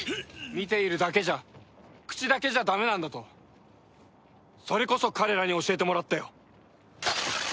見ているだけじゃ口だけじゃダメなんだとそれこそ彼らに教えてもらったよ。